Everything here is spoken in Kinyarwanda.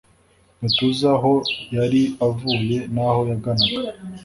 ntituzi aho yari avuye n'aho yaganaga